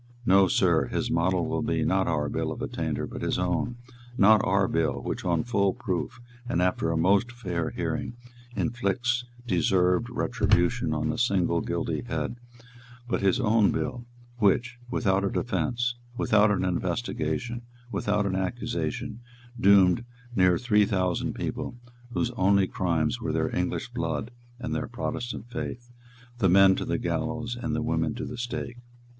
No, Sir, his model will be, not our bill of attainder, but his own; not our bill, which, on full proof, and after a most fair hearing, inflicts deserved retribution on a single guilty head; but his own bill, which, without a defence, without an investigation, without an accusation, doomed near three thousand people, whose only crimes were their English blood and their Protestant faith, the men to the gallows and the women to the stake.